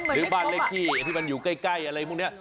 หรือบ้านเลขที่ที่มันอยู่ใกล้อะไรพวกนี้